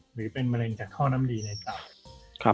หรือเป็นมะเร็งจากท่อน้ำดีในตับ